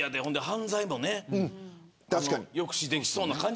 犯罪も抑止できそうな感じ。